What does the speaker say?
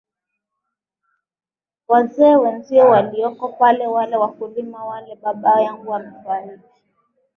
wazee wenzio walioko pale wale wakulima wale baba yangu amefariki